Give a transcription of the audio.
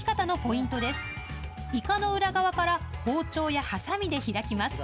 イカの裏側から包丁やハサミで開きます。